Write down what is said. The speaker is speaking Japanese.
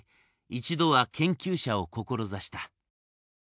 一度は研究者を志した。